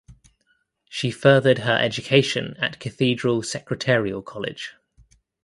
She furthered her education at Cathedral Secretarial College.